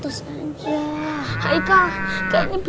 ube bang ube